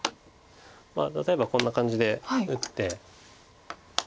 例えばこんな感じで打って。